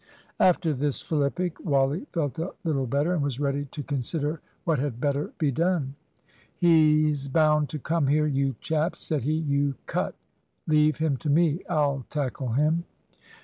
After this Philippic, Wally felt a little better, and was ready to consider what had better be done. "He's bound to come here, you chaps," said he. "You cut. Leave him to me I'll tackle him."